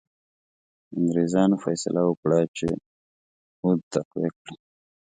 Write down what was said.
انګرېزانو فیصله وکړه چې اود تقویه کړي.